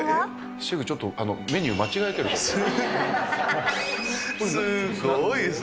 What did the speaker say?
シェフ、ちょっとメニュー間違えてますよ。